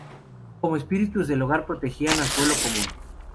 Como espíritus del hogar protegían al pueblo común.